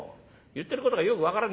言ってることがよく分からねえ。